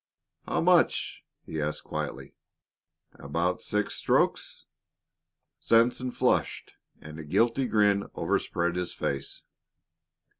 "How much?" he asked quietly. "About six strokes?" Sanson flushed, and a guilty grin overspread his face.